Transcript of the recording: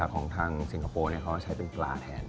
ของทางสิงคโปร์เขาใช้เป็นปลาแทน